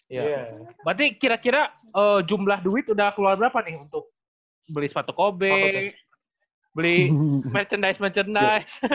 ya berarti kira kira jumlah duit udah keluar berapa nih untuk beli sepatu kobe beli merchandise merchandise